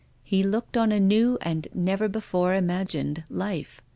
He looked on a new, and never before imagined, life.